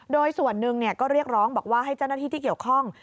โดยส่วนหนึ่งก็เรียกร้องบอกว่าให้เจ้าหน้าที่ที่เกี่ยวข้อง